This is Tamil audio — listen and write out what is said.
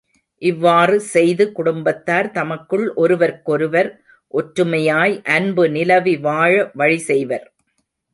இவ்வாறு செய்து குடும்பத்தார் தமக்குள் ஒருவர்க்கொருவர் ஒற்றுமையாய் அன்பு நிலவி வாழ வழிசெய்வர்.